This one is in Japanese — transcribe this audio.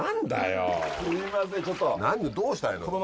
どうしたいの？